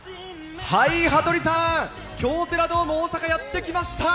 羽鳥さん、京セラドーム大阪、やって来ました。